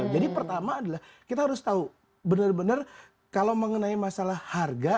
jadi pertama adalah kita harus tahu benar benar kalau mengenai masalah harga